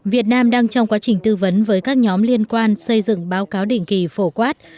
việt nam đang trong quá trình tư vấn với các nhóm liên quan xây dựng báo cáo định kỳ phổ quát